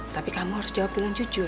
tapi kamu harus jawab dengan jujur